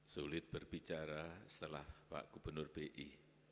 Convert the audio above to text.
sulit berbicara setelah pak gubernur bi